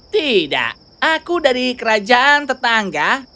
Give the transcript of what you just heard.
tidak aku dari kerajaan tetangga